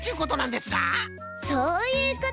そういうこと！